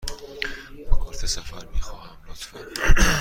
کارت سفر می خواهم، لطفاً.